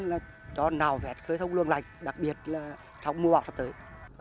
là cho nào vẹt khởi thông luồn lạch đặc biệt là trong mùa bão sắp tới